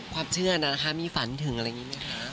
ความเชื่อน่ะนะคะมีฝันถึงอะไรอย่างนี้ไหมคะ